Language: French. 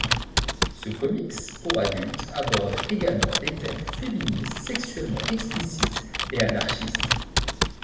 Ce comics pour adultes aborde également des thèmes féministes, sexuellement explicites et anarchistes.